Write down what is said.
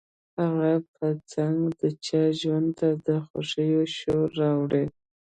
هغه به څنګه د چا ژوند ته د خوښيو شور راوړي.